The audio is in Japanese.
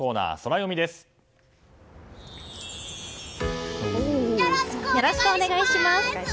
よろしくお願いします！